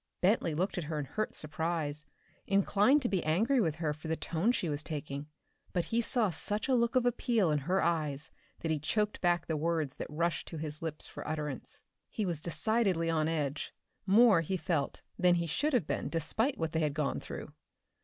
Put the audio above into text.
Bentley looked at her in hurt surprise, inclined to be angry with her for the tone she was taking, but he saw such a look of appeal in her eyes that he choked back the words that rushed to his lips for utterance. He was decidedly on edge, more, he felt, than he should have been despite what they had gone through.